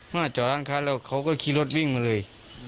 หน้าจอดร้านค้าแล้วเขาก็คีย์รถวิ่งมาเลย